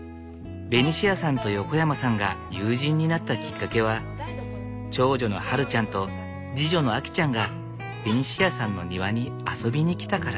ベニシアさんと横山さんが友人になったきっかけは長女の春ちゃんと次女のあきちゃんがベニシアさんの庭に遊びに来たから。